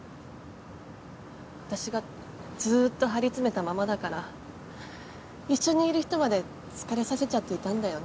私がずっと張り詰めたままだから一緒にいる人まで疲れさせちゃっていたんだよね。